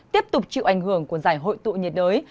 tiếp tục chịu ảnh hưởng của giải hội tụ nhiệt đới